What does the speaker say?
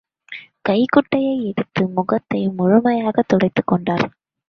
கைக்குட்டையை எடுத்து முகத்தை முழுமையாகத் துடைத்துக் கொண்டார்.